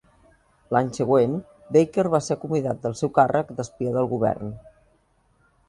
L'any següent, Baker va ser acomiadat del seu càrrec d'espia del govern.